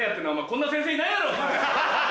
こんな先生いないだろ！ハハハ！